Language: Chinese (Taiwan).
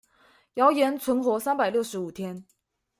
謠言存活三百六十五天